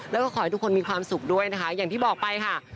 แล้วก็ขอให้ทุกคนมีความสุขด้วยนะคะอย่างที่บอกไปค่ะ